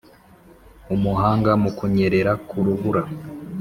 umuhanga mu kunyerera ku rubura